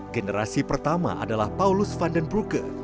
generasi pertama adalah paulus van den brugge